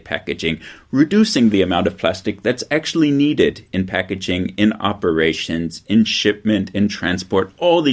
untuk mengurangi jumlah plastik yang sebenarnya diperlukan dalam pakaian dalam operasi dalam pengisian dalam transportasi